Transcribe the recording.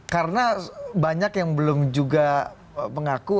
karena banyak yang belum juga mengaku